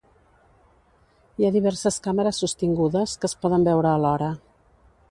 Hi ha diverses càmeres sostingudes, que es poden veure alhora.